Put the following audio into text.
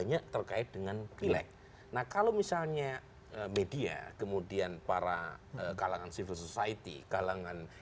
banyak terkait dengan pilek nah kalau misalnya media kemudian para kalangan civil society kalangan